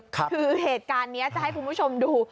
คือเหตุการณ์นี้จะให้คุณผู้ชมดู